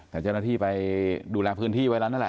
แต่เจ้าหน้าที่ไปดูแลพื้นที่ไว้แล้วนั่นแหละ